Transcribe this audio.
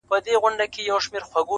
نر او ښځو به نارې وهلې خدایه؛